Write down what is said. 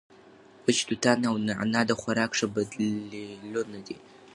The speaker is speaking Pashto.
وچ توتان او نعناع د خوراک ښه بدیلونه دي.